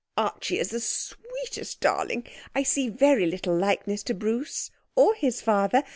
Archie is the sweetest darling. I see very little likeness to Bruce, or his father.